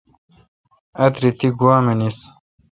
آتری تی گوا منیس۔